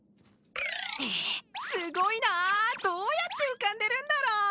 すごいなどうやって浮かんでるんだろう